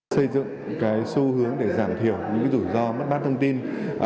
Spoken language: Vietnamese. xây dựng cái xu hướng để giảm thiểu những cái rủi ro mất bát thông tin